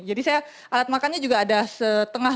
jadi saya alat makannya juga ada setengah